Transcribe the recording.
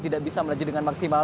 tidak bisa melaju dengan maksimal